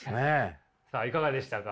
さあいかがでしたか？